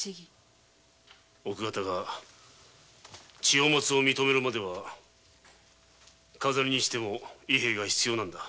奥方が千代松を認めるまでは飾りにしろ伊平が必要なのだ。